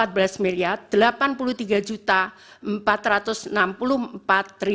dan rp enam puluh empat